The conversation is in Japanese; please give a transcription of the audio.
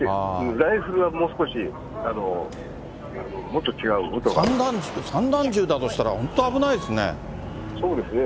ライフルはもう少し、もっと違う散弾銃だとしたら、本当危なそうですね。